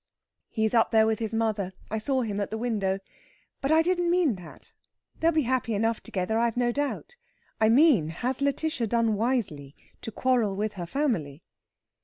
"He's up there with his mother. I saw him at the window. But I didn't mean that: they'll be happy enough together, I've no doubt. I mean, has Lætitia done wisely to quarrel with her family?"